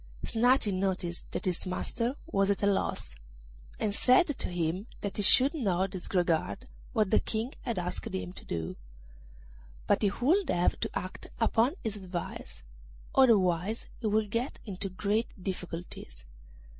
Snati noticed that his master was at a loss, and said to him that he should not disregard what the King had asked him to do; but he would have to act upon his advice, otherwise he would get into great difficulties.